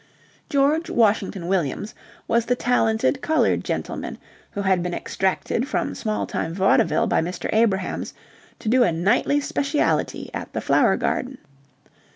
George Washington Williams was the talented coloured gentleman who had been extracted from small time vaudeville by Mr. Abrahams to do a nightly speciality at the Flower Garden.